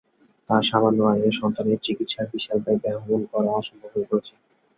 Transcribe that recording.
তাঁর সামান্য আয়ে সন্তানের চিকিৎসার বিশাল ব্যয় বহন করা অসম্ভব হয়ে পড়েছে।